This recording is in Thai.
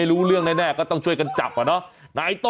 ช่วยเจียมช่วยเจียม